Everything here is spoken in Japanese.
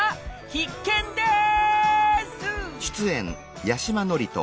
必見です！